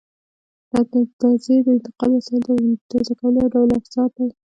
د اندازې د انتقال وسایل د اندازه کولو یو ډول افزار دي.